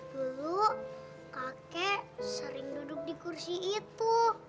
dulu kakek sering duduk di kursi itu